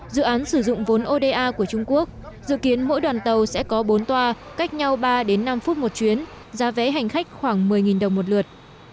dự án sử dụng vốn oda của trung quốc dự kiến mỗi đoàn tàu sẽ có bốn toa cách nhau ba năm phút một chuyến giá vé hành khách khoảng một mươi đồng một lượt